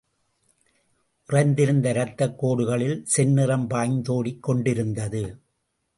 உறைந்திருந்த ரத்தக் கோடுகளில் செந்நிறம் பாய்ந்தோடிக் கொண்டிருந்தது.